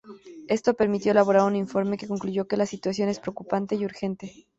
Esto permitió elaborar un informe que concluyó que la situación es preocupante y urgente.